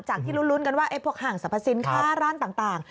ที่ลุ้นกันว่าพวกห้างสรรพสินค้าร้านต่าง